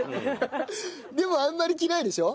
でもあんまり着ないでしょ？